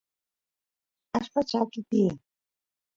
allpa chakiy tiyan